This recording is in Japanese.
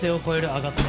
上がって。